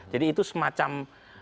jadi itu semacam